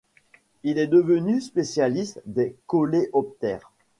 Il est devenu spécialiste des coléoptères.